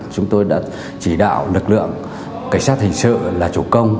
chúng tôi đã chỉ đạo lực lượng cảnh sát hình sự là chủ công